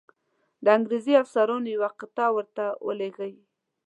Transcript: د انګرېزي افسرانو یوه قطعه ورته ولیږي.